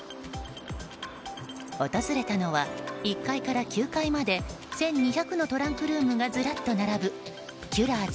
訪れたのは１階から９階まで１２００のトランクルームがずらっと並ぶキュラーズ